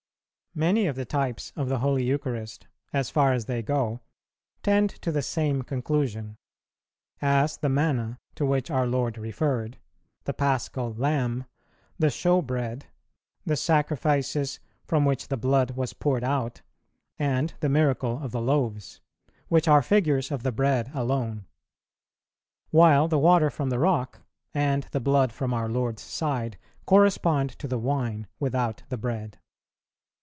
Many of the types of the Holy Eucharist, as far as they go, tend to the same conclusion; as the Manna, to which our Lord referred, the Paschal Lamb, the Shewbread, the sacrifices from which the blood was poured out, and the miracle of the loaves, which are figures of the bread alone; while the water from the rock, and the Blood from our Lord's side correspond to the wine without the bread.